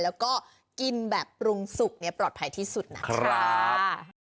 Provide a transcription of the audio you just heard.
แล้วก็กินแบบปรุงสุกปลอดภัยที่สุดนะครับ